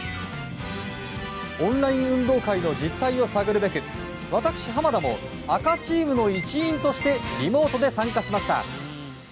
オンライン運動会の実態を探るべく私、濱田も赤チームの一員としてリモートで参加しました。